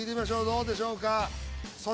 どうでしょうか？